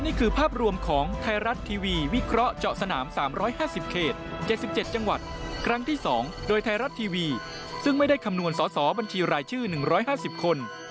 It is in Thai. โดยไทรัสทีวีซึ่งไม่ได้คำนวณสอบัญชีรายชื่อ๑๕๐คน